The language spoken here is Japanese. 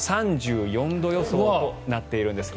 ３４度予想となっているんです。